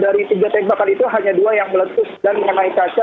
dari tiga tembakan itu hanya dua yang meletus dan mengenai kaca